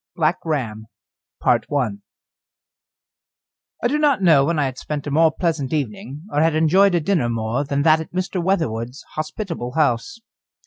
BLACK RAM I do not know when I had spent a more pleasant evening, or had enjoyed a dinner more than that at Mr. Weatherwood's hospitable house.